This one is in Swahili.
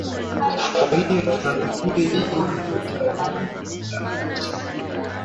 kwa hivyo tunafikiri juhudi katika eneo hili la afrika mashariki